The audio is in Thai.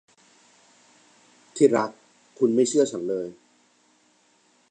ที่รัก คุณไม่เชื่อฉันเลย